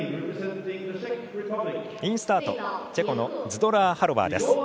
インスタート、チェコのズドラーハロバーです。